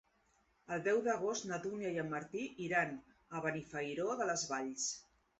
El deu d'agost na Dúnia i en Martí iran a Benifairó de les Valls.